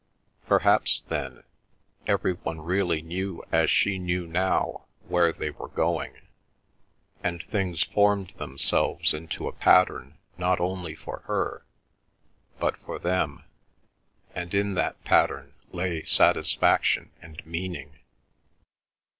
Perhaps, then, every one really knew as she knew now where they were going; and things formed themselves into a pattern not only for her, but for them, and in that pattern lay satisfaction and meaning.